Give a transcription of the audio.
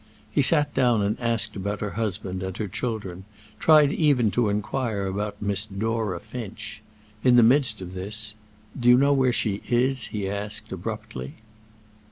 He sat down and asked about her husband and her children, tried even to inquire about Miss Dora Finch. In the midst of this—"Do you know where she is?" he asked, abruptly.